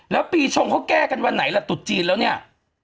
แล้วปีชงเขาแก้กันวันไหนล่ะตุดจีนแล้วเนี่ย